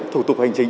thủ tục hành chính